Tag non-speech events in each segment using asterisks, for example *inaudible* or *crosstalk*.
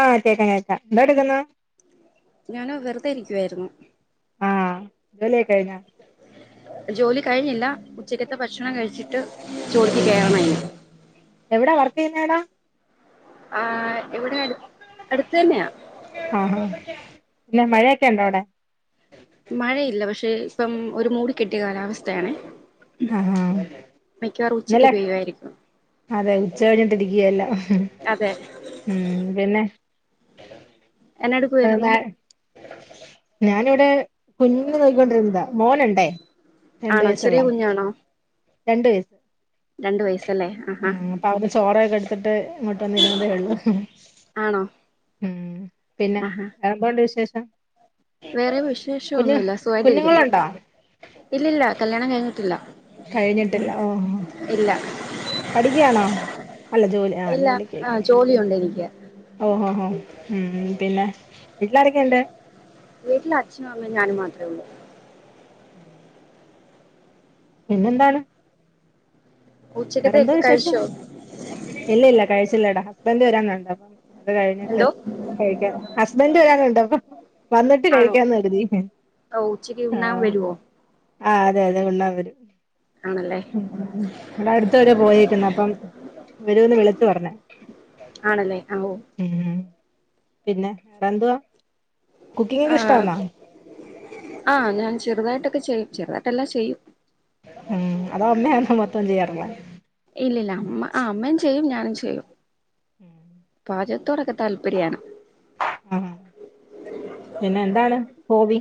ആഹ് കേക്കാം കേക്കാം എന്തോ എടുക്കുന്നു ഞാന് വെറുതെ ഇരിക്കുവായിരുന്നു ആഹ് ജോലിയക്കഴിഞ്ഞാ? ജോലി കഴിഞ്ഞില്ല ഉച്ചക്കത്തെ ഭക്ഷണം കഴിച്ചിട്ട് ജോലിക്ക് കേറണം ആഹ് ഇനി എവിടാ വർക്കെയ്യുന്നെവിടാ? ആഹ് ഇവിടെ അടു അടുത്തന്നെയാ ആഹ് പിന്നെ മഴയെക്കെ ഒണ്ടോ അവിടെ? മഴയില്ല പക്ഷെ ഇപ്പം ഒരു മൂടി കെട്ടിയ കാലാവസ് ത്തയാണ് ആഹ് ആഹ് മിക്കവാറും ഉച്ചക്ക് ഇന്നലെ പെയ്യുവാരിക്കും. അതെ ഉച്ച കഴിഞ്ഞിട്ടിരി ഇല്ലല്ല അതെ ഉം പിന്നെ എന്നാ ആ എടുക്കുവായിരുന്നു *unintelligible* ഞാനിവിടെ കുഞ്ഞിനെ നോക്കിക്കോണ്ടിരുന്നതാ മോന് ണ്ടേ ആണോ ചെറിയ കുഞ്ഞാണോ? രണ്ട് വയ രണ്ട് വയസ്സല്ലേ ആഹാ ഉം അപ്പ അവന് ചോറെ കൊടുത്തിട്ട് ഇങ്ങോട്ട് വന്നിരുന്നതേ ഉള്ളു ആണോ ഉം പിന്നെ ആഹാ വേറെന്തോണ്ട് വിശേഷം? വേറെ വിശേഷം കുഞ്ഞ് ഒന്നുവില്ല സുഖായിട്ടിരിക്കുന്നു കുഞ്ഞുങ്ങളുണ്ടോ ഇല്ലില്ല കല്യാണം കഴിഞ്ഞിട്ടില്ല കഴിഞ്ഞിട്ടില്ല ഓഹോ ഇല്ല പഠിക്കയാണോ അല്ല ജോലി ആ ഇല്ല ആ ജോലിക്കൊക്കെ ജോലിയുണ്ട് എനിക്ക് ഓഹോഹോ ഉം പിന്നെ വീട്ടിലാരൊക്കെ ഇണ്ട്? വീട്ടില് അച്ഛനും അമ്മേം ഞാനും മാത്രേ ഉള്ളൂ പിന്നെന്താണ്? വേറെന്താ ഉച്ചക്കത്തെയൊക്കെ വിശേഷം കഴിച്ചോ ഇല്ലില്ല കഴിച്ചില്ലടാ ഹസ്ബന്റ് വരാനുണ്ട് അ പ്പം അത് കഴിഞ്ഞിട്ട് എന്തോ കഴിക്കണം ഹസ്ബന്റ്‌ വരാനുണ്ടോ അപ്പൊ? വന്നിട്ട് ആണോ കഴിക്കാന്ന് കരുതി ഓ ഉച്ചക്ക് ആ ഉണ്ണാൻ വരുവോ? ആ അതെ അതെ ഉണ്ണാൻ വരും ആണല്ലേ ഇവിടെ അടുത്തുവരെ പോയേക്കുന്ന് അപ്പം വരോന്ന് വിളിച്ച് പറഞ്ഞ് ആണല്ലേ അമ്മൂ ഉം പിന്നെ എന്തുവാ കുക്കിങ്ങൊക്കെ ആ ഇഷ്ടാന്നൊ ആ ഞാൻ ചെറുതായിട്ടൊക്കെ ചെയ്യും. ചെറുതായിട്ടെല്ലാം ചെയ്യും. ഉം അതോ ഉമ്മയാണോ മൊത്തം ചെയ്യാറുള്ളേ ഇല്ലില്ല അമ്മ ആ അമ്മയും ചെയ്യും ഞാനും ചെയ്യും പാചകത്തോടൊക്കെ താല്പര്യമാണ്. ആഹ് പിന്നെ എന്താണ് ഹോബി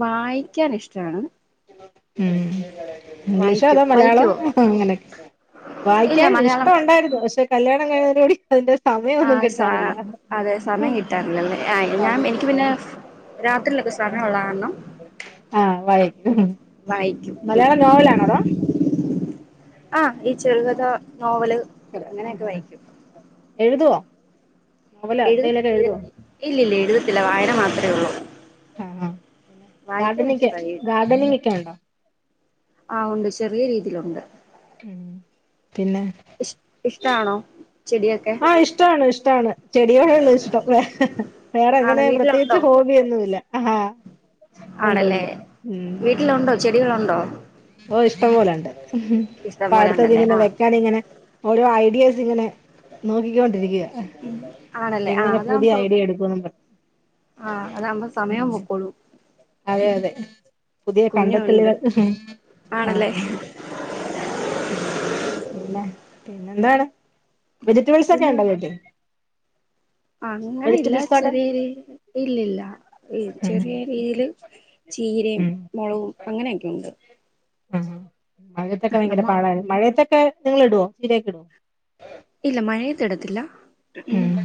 വായിക്കൻ ഇഷ്ടാണ് ഉം ഇംഗ്ലീഷോ വായിക്കും അതോ മലയാളം വായിക്കുവോ അങ്ങനെയെ ഇല്ല വായിക്കാൻ മലയാളം ഇഷ്ടം ഉണ്ടായിരുന്നു. പക്ഷെ കല്യാ *unintelligible* ആ സ അതെ സമയം കിട്ടാറില്ലല്ലേ ആ ഞാൻ സമയം എനിക്ക് പിന്നെ. കിട്ടാതെ രാത്രിയിലൊക്കെ സമയം ഉള്ളകാരണം. മലയാള നോവലാണോ ടോ? ആഹഈ ചെറുകഥ നോവല് അങ്ങനെയൊക്കെ ആഹ് ആഹ് വായിക്കും. എഴുതുവോ? നോവലോ എഴു എന്തെങ്കിലുമൊക്കെ എഴ എഴുതുവോ ഇല്ലല്ല എഴുതത്തില്ല വായന മാത്രമേ ഉള്ളൂ. ആ ആ പിന്നെ വായിക്കാൻ ഗാർഡനി ഇഷ്ടമായി ഗാർഡനിങ് ഒക്കെ ഉണ്ടോ? ആ ഉണ്ട് ചെറിയ രീതിയിലുണ്ട്. ഉം പിന്നെ ഇ ഇഷ്ടാണോ ചെടിയൊ ആ ഇഷ്ടമാണ് ഇഷ്ടമാണ് ചെടികള് ള്ള ഇഷ്ടം വേ വേറെ ആണ് അങ്ങനെ വീട്ടിലുണ്ടോ പ്രത്യേകിച്ച് ഹോബിയൊന്നുമില്ല. ആഹാ ഉണ്ട് ആണല്ലേ ഉണ്ട് ഉം വീട്ടിലുണ്ടോ ചെടികളുണ്ടോ? ഓ ഇഷ്ടം പോലെുണ്ട്. ഇഷ്ടം ഇപ്പൊ പോലെ ഉണ്ടല്ലേ അടുത്തത്ങ്ങനെ ആ വെക്കാന് ഇങ്ങനെ ഓരോ ഐഡിയസ് ഇങ്ങനെ നോക്കിക്കൊണ്ടിരിക്ക്യാ ആണല്ലേ ആ എങ്ങനെ പുതിയ അതാകുമ്പോ ഐഡിയ എടുക്കും. പ ആ അതാവുമ്പോ സമയം പോക്കളൂ അതെ അതെ പുതിയ കുഞ്ഞുണ്ട് കണ്ടെത്തലുകൾ ആണല്ലേ. ആഹ് പിന്നെ പിന്നെ എന്താണ് വെജിറ്റബിൾസ് ഒക്കെ പിന്നെ ഉണ്ടോ വീട്ടിൽ അങ്ങനെ ഇല്ല വെജിറ്റബിൾസ് ഗാർഡൻ ചെറിയ രീ ഇല്ലല്ല ഉം ചെറിയ രീതിൽ ചീരയും, മുളകും, അങ്ങനെയൊക്കെ ഉണ്ട്. ആഹ മഴയത്തൊക്കെ ഭയങ്കര നമ്മ പാടായി മഴയത്തൊക്കെ നിങ്ങളിടുവോ ശിരിയൊക്കെ ഇടുവോ? ഉ ഉം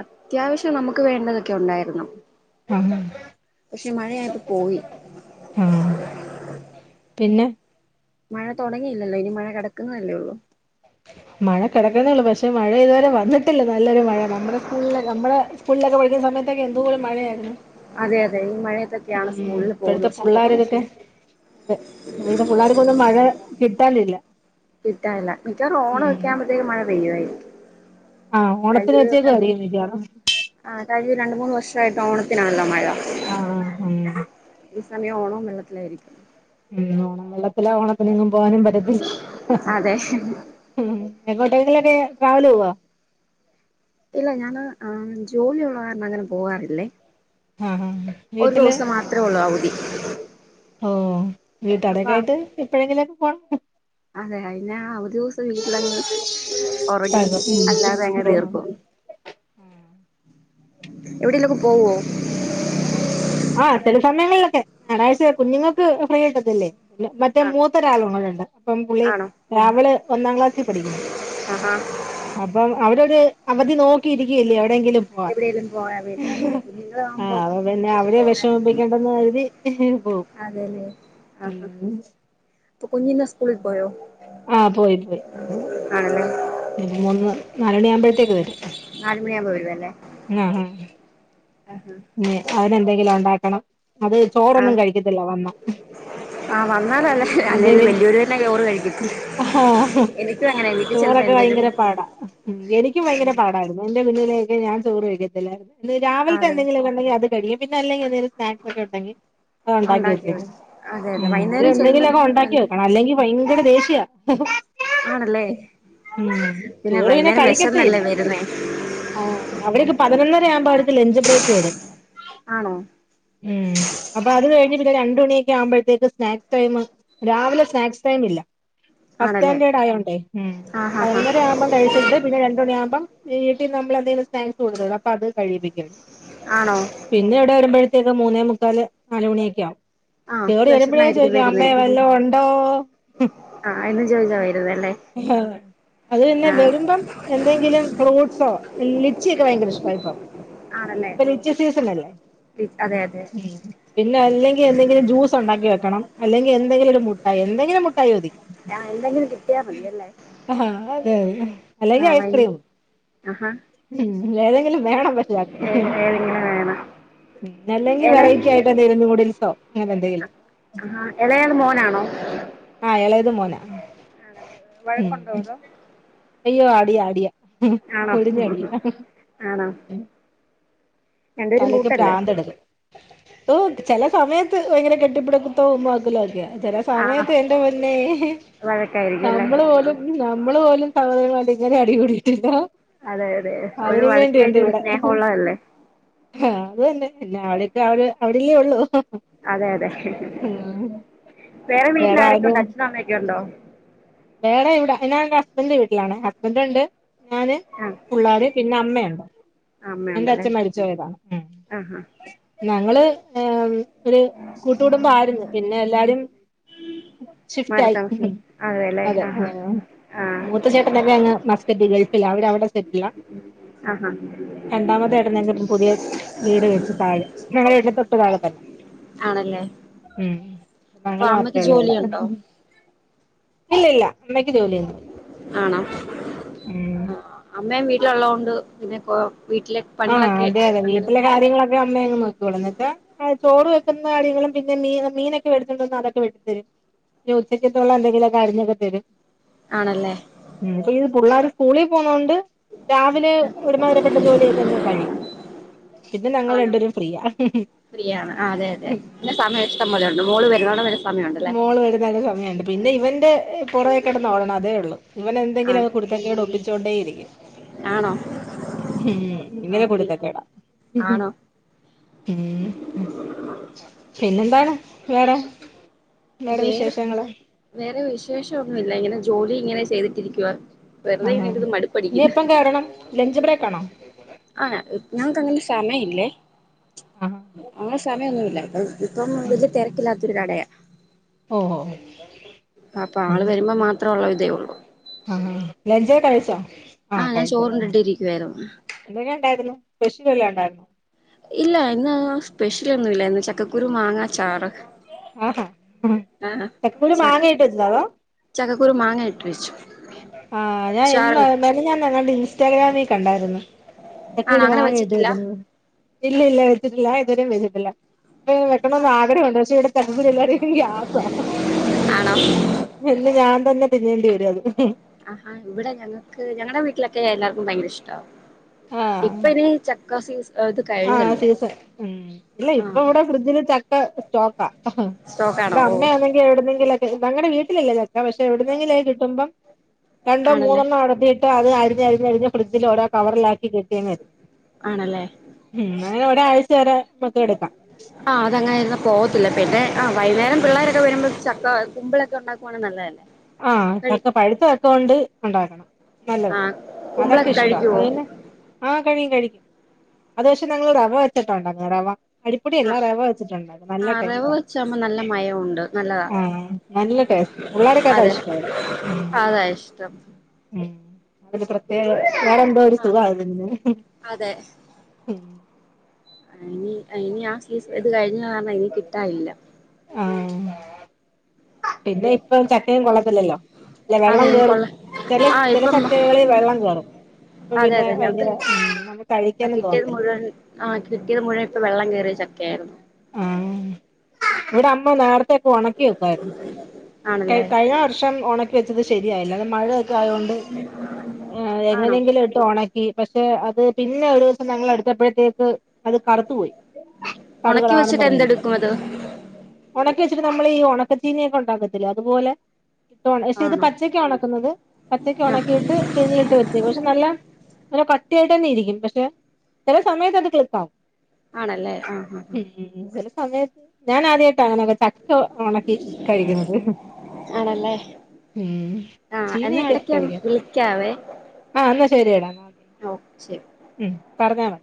അത്യാവശ്യം നമുക്ക് വേണ്ടതൊക്കെ ഉണ്ടായിരുന്നു. ആഹ് പക്ഷെ മഴ ആയിപം പോയി. ആഹ് പിന്നെ മഴ തുടങ്ങിയില്ലല്ലോ ഇനി മഴ കിടക്കുന്നതല്ലേ ഉള്ളൂ. ആ മഴ കിടക്കുന്നുള്ളൂ പക്ഷെ മഴ ഇതുവരെ വന്നിട്ടില്ല. നല്ലൊരു മഴ നമ്മുടെ സ്കൂളിൽ നമ്മുടെ സ്കൂളിലൊക്കെ പഠി അെ സമയത്തോകൊ എന്തുലോ മഴയായിരുന്നു. അതെ അതെ ഈ മഴയത്തൊക്കെയാണ് ഉം സ്കൂളിൽ പോകുന്നത് ഇപ്പടുത്തെ പക്ഷെ പിള്ളേർ ഇപ്പം ഇതൊക്കെ അതെ നമ്മളുടെ പിള്ളേർക്കൊന്നും മഴ കിട്ടാനില്ല. കിട്ടാനില്ല മിക്കവാറും ഓണം ഉം വെക്കാുമ്പോഴത്തേക്കും മഴ പെയ്യുായിരിക്കും. ആഹ് കഴിഞ്ഞ ഓണത്തിന് ഒരു ര വെച്ചേക്കുവായിരിക്കും മിക്കവാറും ആ കഴിഞ്ഞ ഒരു രണ്ട്, മൂന്ന്, വർഷമായിട്ട് ഓണത്തിനാണല്ലോ മഴ. ആഹ ആഹ ഈ സമയം ഓണോ വെള്ളത്തിലായിരിക്കും. ഉ ഓണം വെള്ളത്തില ഓണത്തിനങ്ങും പോകനും പറ്റത്തില്ല അതെ എക്കോട്ടേങ്കിലൊക്കെ ട്രാവൽ പോവോ? ഇല്ല ഞാന് ജോലിയുള്ള കാരണം അങ്ങനെ പോവാാറില്ലേ. ആഹ് ആഹ് ഒരു വീട്ടില് ദിവസം മാത്രമേ ഉള്ളു അവധി. ഓ അപ്പൊ വീട്ടാരൊക്കെ എയിട്ട് ഇപ്പോഴെങ്കിലുംക്കെ പോണം. അതെ *unintelligible* ദിവസം വീട്ടിലങ്ങ് ഉറങ്ങി പഴകം അല്ലാതെ അങ്ങനെ തീർക്കും ഉഹ എവിടെെല്ലക്കും പോവോ ആ ചില സമയങ്ങളിലൊക്കെ ഞായറാഴ്ച കുഞ്ഞുങ്ങൾക്ക് ഫ്രീ ആയിട്ടത്ല്ലേ മറ്റേ ആ മൂത്തരാളങ്ങളുണ്ട് അപ്പം പുള്ളി ആണോ രാവിലെ ഒന്നാം ക്ലാസ്സിൽ പഠിക്കുന്നു ആഹാ അപ്പം അവിടെരു അവധി നോക്കിയിരിക്കല്ലേ എവിടെേലും പോയാ വര അതെതെ ആ കുഞ്ഞുങ്ങളാകുമ്പോ അങ്ങോട്ട് അവരെ വിഷമിപ്പിക്കേണ്ടെന്ന് കരുതി പോവും അതെല്ലേ ആഹഹ ഉം അപ്പൊ കൊഞ്ഞന്ന സ്കൂളിൽ പോയോ ആഹ പോയി പോയി ആണല്ലേ ഇയിപ്പോ മൂന്ന് നാല മണി ആവുമ്പോഴത്തേക്ക് തരും നാലുമണിയാകുമ്പോ വരുവല്ലേ ആ പിെ അതിനന്െന്തെങ്കിലും ഉണ്ടാക്കണം അത് ചോറൊന്നും കഴിക്കത്തില്ല വന്ന ആഹ് വന്നാലല്ല അല്ല വലിയൂരു തന്നെോറ് കഴിക്കും ആഹ ചെലപ്പോ ചോറൊക്കെ എന്തേലും ഭയങ്കര പാടാ എനിക്കും ഭയങ്കര പാടായിരുന്നു എന്റെ പിന്നിലേൊക്കെ ഞാൻ ചോറ് കഴിക്കത്തില്ല അതെ രാവിലത്തെന്തെങ്കിലുംക്കെണ്ടെങ്ക അത് കഴിക്ക പിെ അല്ലെങ്കിൽ എെങ്കും സ്ാക്സ് ഒക്കെ ഉണ്ടെങ്കിൽ അ ഉണ്ടാക്കി വ ഉണ്ടാക്കിയ അതെ ഉ അതെ ഇ വൈകുന്നേരം ചെല്ലുമ്പം എന്തെങ്കിലുമൊക്കെ ഉണ്ടാക്കി എന്ത് വെക്കണം അല്ലെങ്കിൽ ഭ ഇടെ ദേഷീ്യ ആണല്ലേ ഉ പിന്നെ ചോളു പിനെ വൈകുന്നേരം വിശന്നല്ലേ കഴിക്കത്തിയില്ല വരുന്നേ ആഹ് അവിടെൊക്കെ പതിനൊന്നര ആവുമ്പോ അടുത്ത് ലഞ്ച് ബ്രേക്ക് വരും ആണോ ഉ അപ്പൊ അത് കഴിഞ്ഞ െ രണ്ട മണിയൊക്കെ ആവുമ്പോഴത്തേക്ക് സ്നാക്സ് ടൈം രാവിലെ സ്നാക്സ് ടൈം ഇല്ല ഫസ്റ്റ് ആണല്ലേ സ്റ്റാൻഡേഡ് ആയോണ്ടണ്ട് ആ ഹാ ഹാ പതിനൊന്നര ആുമ്പം കഴിച്ചിട്ടുണ്ട് പിന്നെ രണ്ട മണിയാവുമ്പം നമ്മൾന്തെും സ്നാക്സ് കൊടു അപ്പൊ അത് കഴിപ്പിക്കുകയാണ് ആണോ പിന്നെ ഇവിടെ വരുമ്പോഴ പ്രേ മൂന്നേ മുക്കാല് നാലല്ണിയക്ക ആകും ആ അപ്പൊ എവിടെ എരുമ്പഴിയ വിശന്നായിരിക്കും ചോദിക്കാം അമ്മേ വരുന്നേ വല്ല ഉണ്ടോ ആഹ് ഇന്ന് ജോയ്ജ വരുന്ന അല്ലേ ആ അത്ന്നെ വരുമ്പം എന്തെങ്കിലും ഫ്രൂട്ട്സോ ലിച്ചിയൊക്കെ ഭയങ്കര ഇഷ്ടമായിപ്പോും ആണല്ലേ ഇപ്പൊ ഓ ലിച്ചി സീസൺ അല്ലേ? അതെ അതെ ഉ പിന്നെ അല്ലെങ്കിൽ എന്തെങ്കിലും ജ്യൂസ് ഉണ്ടാക്കി വെക്കണം അല്ലെ എന്തെങ്കിലും ഒരു മുട്ടായി എന്തെങ്കിലും മുട്ടായി മതി. ആഹ് എന്തെങ്കിലും കിട്ടിയാ മതിയല്ലേ ആ അതെഅല്ലെങ്കിൽ ആഹ് വൈ ഐസ്ക്രീം. ആഹാ. ഉ ഏതെങ്കിലും. വേണം പക്ഷെ ഏതെങ്കിലും വേണം അല്ലെങ്കിൽ എള വെറൈറ്റി ആയിട്ട് എന്തെങ്കിലും നൂഡിൽസോ, *unintelligible* ആഹാ ഇളയാള് മോനാണോ? ആഹ് ഇളയത് മോനാ ഉം വഴക്കുണ്ടാവതോ അയ്യോ അടിയാ അടിയാ പൊരിഞ്ഞ അടിയ ആണോ രണ്ടുപേരും തലക്ക് കൂട്ടല്ലേ പ്രാന്തടത് ഓ ചില സമയത്ത് ഭയങ്കര കെട്ടിപ്പിട പിടിത്തവും ഉമ്മാവെക്കാലുംഒക്കെ ചില ആണോ സമയത്ത് എന്റെ പൊന്നേ വഴക്കായിരിക്കും അല്ലേ നമ്മള് പോലും നമ്മള് പോലും *unintelligible* ഇങ്ങനെ അടികൂടിട്ടില്ല. അതെയ അതെ ഒരു വഴക്ക് കഴിഞ്ഞ ഒരു സ്നേഹം ഉള്ളതല്ലേ. ആ അത് തന്നെ പിന്നെ അവിടെയൊക്കെ അവ അവിടെല്ലേ ഉള്ളൂ. അതെ അതെ ഉം വേറെ വീട്ടില ആാരൊക്കെ ഉണ്ട് അച്ഛനും അമ്മയൊക്കെ ഉണ്ടോ? വെറെ ഇവിട *unintelligible* ഹസ്ബൻറ് വീട്ടിലാണ് ഹസ്ബൻഡ ഉണ്ട് ഞാന് ആഹ് പിള്ളേർ പിന്നെ അമ്മയുണ്ട്. ഹസ്ബൻന്റെ അമ്മയുണ്ടല്ലേ. ആഹ് ആഹ് *unintelligible* ഞങ്ങള് എം ഒരു കൂട്ടുകുടുംബം ആരുന്നു പിന്നെ എല്ലാരും ഷിഫ്റ്റ് മാറി ആയി. താമസിക്കും അതെല്ലേ അതെ ആ ആഹ് ആഹ് മൂത്ത ചേട്ടൻ തന്നെ അങ്ങ് മസ്കറ്റി ഗൾഫിലാ അവരവിടെ *unintelligible* ആഹ് ആഹാ രണ്ടാമത്തെചേട്ട പുതിയ വീട് വെച്ച് താഴെ ഞങ്ങളുടെ വീട്ടില തൊട്ട് താഴെ തന്നെ. ആണല്ലേ ഉം അപ്പൊ ങ്ങള്ൾ അമ്മയ്ക്ക് മാത്രേള്ളൂ ഇവിടെ. ജോലിയുണ്ടോ ഇല്ല ഇല്ല അമ്മക്ക് ജോലിയൊന്നുല്ല ആണോ ഉം. ള ള്ളോണ്ട് പിന്നെകൊ ആഹ് പഠിയാക് അതെ അതെ വീട്ടിലെ കാര്യങ്ങളൊക്കെ അമ്മേ അങ് നോക്യോളൂ എന്നെച്ചാ ചോറ് വെക്കുന്നാര്യാങ്ങളും പിന്നെ മീനൊ മീനൊക്കെ വെടുച്ചോണ്ട്ന്ന അതൊക്കെ വെട്ടി തരും പിന്നെ ഉച്ചക്ക്ത്തോളം എന്തെങ്കിലും ഒക്കെ അരിഞ്ഞൊക്കെ തരും. ആണല്ലേ ഇത് പുള്ളാര് സ്കൂളി പോവുന്നോണ്ട് രാവിലെ ഒരുമാതരപ്പെട്ട ജോലിയൊക്കന്ന കഴിയും. പിന്നെ ഞങ്ങൾ ആണോ രണ്ടുപേരും ഫ്രീയാ ഫ്രീയാണ് ആ അതെ അതെ പിന്നെ സമയത് *inaudible* പോലെണ്ട് *unintelligible* മോള് വരുന്നരു സമയുണ്ട് പിന്നെ ഇവന്റെ പുറകേ കിടന്ന് ഓടണം അതേള്ളു. ആഹ് ഇവനെന്തെങ്കില്ക്കേ കുരുത്തക്കേടൊക്കേ ഒപ്പിച്ചോണ്ടേരിക്കും. ആണോ? ഹും ആഹ് *unintelligible* പിന്നെ കുരുത്തകേടാ. ഉം ആണോ പിന്നെന്താണ് വേറെ? വേറെ വേറെ വിശേഷഒന്നുല്ല ഇങ്ങനെ ജോലി ഇങ്ങനെ ചെയ്തിട്ടിരിക്കുവാ. വെറുതെ ആഹ് ഇങ്ങനെ ഹ ഇരുന്ന് ഇനി മടുപ്പടിക്കുന്നു എപ്പം കേയറണം ലഞ്ച് ബ്രേക്കാണോ? ആ ഞങ്ങക്ക് അങ്ങനെ സമയല്ലേ ആഹാ മച്ച് അങ്ങനെ സമയൊന്നുല്ല *unintelligible* ഇപ്പം *inaudible* തെരക്കില്ലാത്തൊരു കടയാ. ഓഹോ അപ്പൊ ആള് വരുമ്പോ മാത്രേ ഉള്ള ഇതേ ഉള്ളൂ? ആഹ ലഞ്ചക്കൊ കഴിച്ചോ? ആഹ ആഹ് ഞാൻ കഴിച്ചല്ലോ ആ ചോറുണ്ടിട്ട് ഇരിക്കുവായിരുന്നു എന്തക്കേണ്ടായിരുന്നു? സ്പെഷ്യൽ വല്ലോണ്ടായിരുന്നോ? സ്പെഷ്യലോന്നുല്ല ഇന്ന് ചക്കക്കുരു മാങ്ങാ ചാറൊക്കേ ആഹാ ആ ചക്കകുരു മാങ്ങയിട്ട് വെച്ചതാണോ? ചക്ക കുരു മാങ്ങ ഇട്ട് വെച്ചു. ആഹ ഞാൻ എന്നു ചാറ് മെനഞാന്നെങ്ങാണ്ട് ഇൻസ്റ്റാഗ്രാമിൽ കണ്ടായിരുന്നു. ആണോ ചക്കൂര് അങ്ങനെ മാങ്ങയിട്ട് വെച്ചിട്ടില്ല വെക്ന്നത് ഇല്ല ഇല്ല വെച്ചിട്ടില്ല ഞാൻ ഇതുവരെ വെച്ചിട്ടില്ല. വെക്കണന്ന് ആഗ്രഹോണ്ട് പക്ഷെ ഇവിടെ ചക്കകുരു എല്ലാർക്കും ഗ്യാസാ. ആണോ പിന്ന് ഞാൻ തന്നെ തിന്നേണ്ടി വരും അത് ആഹാ ഇവിടെ ഞങ്ങക്ക് ഞങ്ങടെ വീട്ടിലൊക്കെ എല്ലാർക്കും ഭയങ്കര ഇഷ്ടാ. ഇപ്പ ഇനി ചക്കാസിസ ആഹ സീസൺ ഉം ഇല്ല ഇപ്പ ആഹ് ഇവിടെ ഫ്രിഡ്ജ്ല് ചക്ക സ്റ്റോക്കാ. സ്റ്റോക്കാണോ ഇവിടെ ഓ അമ്മയാന്നെങ്കിൽ എവിടുന്നെങ്കിലക്കെ ഞങ്ങടെ വീട്ടിലില്ല ചക്ക പക്ഷെ എവിടുന്നെങ്കിലോക്കേ കിട്ടുമ്പം രണ്ടോ ആണല്ലേ മൂന്നെണ്ണം അടത്തിട്ട് അത് അരിഞ്ഞരിഞ്ഞരിഞ് ഫ്രിഡ്ജിൽ ഓരോ കവറിലാക്കി കെട്ടിയങ്ങ് വെ ആണല്ലേ ഉം ഞൻവിടെ ആരാഴ്ച വരെ മൊത്തം എടുക്കു ആഹ് അത അങ്ങനെ ഇങ്ങ് പോവത്തില്ല പിന്നെ ആഹ വൈുന്നേരം ഉം പിള്ളേരൊക്കെ വരുമ്പോ കുമ്പളൊക്കെ ഉണ്ടാക്കുവാണെ നല്ലതല്ലേ? ആഹ കഴി ചക്ക പഴുത്തചക്ക കൊണ്ട് ഉണ്ടാക്കണം. നല്ലതാ ആ അതൊക്കെ കുമ്പിളൊക്കെ ഇഷ്ടാ കഴിക്കുവോ അതന്നെ ആ കഴിയും കഴിക്ക അത് പക്ഷേ ഞങ്ങള് റവ വെച്ചിട്ടാ ഉണ്ടക്കാ റവ. അരിപ്പൊടിയല്ല ആ റവ വെച്ചിട്ടുണ്ടാക്ക നല്ല ആ റവ ടേസ്റ്റ. വെച്ചാകുമ്പോ നല്ല മയമുണ്ട് നല്ലതാ ആഹ നല്ല ടേസ്റ്റ് പുള്ളേര് ക്കതാ അതെ ഷ്ടം ഇവടെ ഉം അതാ ഇഷ്ടം ഉം അ പ്രത്യേക വേറെന്തോ ഒരു ആ സുഖ ആ ഇനി എനി ആ സീസ് ഇത് കഴിഞ്ഞ ഞാർണോ ഇനി കിട്ടാനില്ല. ആഹ് പിന്നെ ഇപ്പൊ ചക്കയും കൊള്ളത്തില്ലല്ലോ? അല്ല അതെ വെള്ളം കെറും എനിക്കുള്ള ചില ആ ഇപ്പം ചിലചക്കകളിൽ വെള്ളം കേറും അപ്പൊ അതെ പിന്നെ അതെ ഭയങ്കര ഞങ്ങക്ക് നമ്മ കഴിക്കാനും കിട്ടിയത് തോന്നത്തില്ല മുഴുവൻ ആ കിട്ടിയത് മുഴുവൻ ഇപ്പൊ വെള്ളം കയറിയ ചക്കയായിരുന്നു ആ ഇവിടെ അമ്മ നോര ക്കെ ഉണക്കി വെയ്കുമായിരുന്നു. കയി ആണല്ലേ കഴിഞ്ഞ വർഷം ഉണക്കി വെച്ചത് ശരിയായില്ല. മഴയൊക്കെ ആയൊണ്ട് ഏ ആണോ എങ്ങനെങ്കിലും ഇട്ട് ഒണ ഈ പക്ഷെ അത് പിന്നെ ഒരു ദിവസം ഞങ്ങൾ എടുത്തപ്പോഴത്തേക്ക് അത് കറുത്തുപോയി ഉണക്കി കറുകറാന്ന് വെച്ചിട്ട് പറഞ്ഞിരിക്കും. എന്തെടുക്കും അത് ഓളെ ഇച്ചിരി നമ്മള് ഈ ഉണക്കച്ചീനയൊക്കെ ഉണ്ടാക്കത്തില്ലെ അതുപോലെ കിട്ടോൺ, പക്ഷേ ഇത് ആണോ പച്ചയ്ക്കാ ഉണക്കുന്നത്? പച്ചക്ക് ആ ഉണക്കിയിട്ട് ടിന്നിലിട്ട് വെച്ചേക്കും പക്ഷെ നല്ല ഒരു കട്ടിയായിട്ട് തന്നെ ഇരിക്കും പക്ഷെ ചില സമയത്ത് അത് തിക്കാവും ആണല്ലേ ആഹ് ആഹ് ഉം ചില സമയത്ത് ഞാൻ ആദ്യമായിട്ടാ അങ്ങനെയൊക്കെ ച ച്ചോ ഉണക്കി കഴിക്കുന്നത് ആഹ് ആണല്ലേ ഉം ആഹ് എന്നാ ചീനിയൊക്കെ ഇടക്ക് കഴിക്കാം വിളിക്കാവേ ആ എന്നാ ശരിയടാ ഓ ശരി ഉം പറഞ്ഞാള